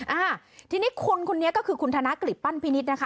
อ่าทีนี้คุณคุณนี้ก็คือคุณธนากฤบปั้นพินิษย์นะครับ